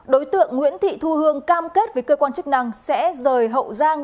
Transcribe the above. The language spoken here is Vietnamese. đối tượng nguyễn thị thu hương cam kết với cơ quan chức năng sẽ rời hậu giang